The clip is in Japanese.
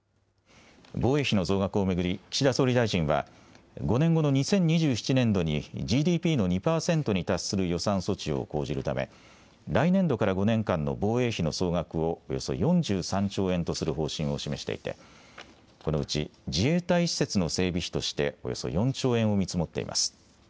防衛費の増額を巡り、岸田総理大臣は、５年後の２０２７年度に、ＧＤＰの２％に達する予算措置を講じるため、来年度から５年間の防衛費の総額をおよそ４３兆円とする方針を示していて、このうち自衛隊施設の整備費としておよそ４兆円を見積もっています。